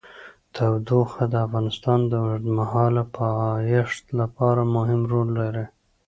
تودوخه د افغانستان د اوږدمهاله پایښت لپاره مهم رول لري.